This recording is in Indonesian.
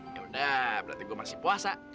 yaudah berarti gue masih puasa